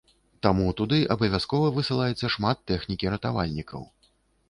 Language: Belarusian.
Таму туды абавязкова высылаецца шмат тэхнікі ратавальнікаў.